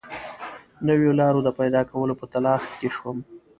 نویو لارو د پیدا کولو په تلاښ کې شوم.